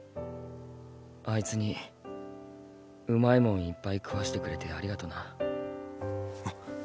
あいつに美味いもんいっぱい食わしてくれてありがとうな。